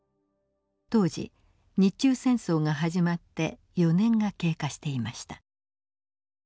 当時日中戦争が始まって４年が経過していました。